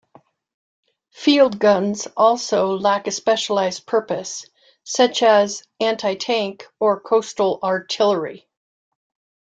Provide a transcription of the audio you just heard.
Field guns also lack a specialized purpose, such as anti-tank or coastal artillery.